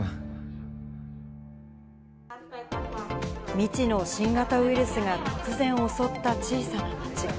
未知の新型ウイルスが突然襲った小さな町。